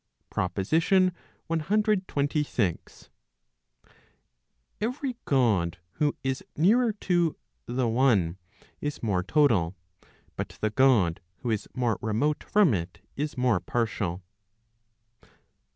PROPOSITION CXXVl. 9 Every God who is nearer to the one is more total, but the God who is more remote from it is more partial.